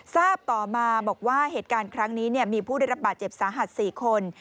ทราบต่อมาบอกว่าเหตุการณ์ครั้งนี้มีผู้ได้รับบาดเจ็บสาหัส๔คน